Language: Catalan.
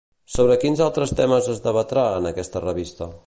Sobre quins altres temes es debatrà en aquesta revista?